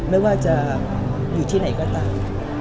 ไม่ว่าจะอยู่ที่ไหนก็ตาม